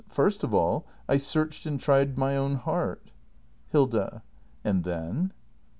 First of all, I searched and tried my own heart Hilda. And then ?